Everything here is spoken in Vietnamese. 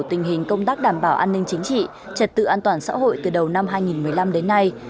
tình hình công tác đảm bảo an ninh chính trị trật tự an toàn xã hội từ đầu năm hai nghìn một mươi năm đến nay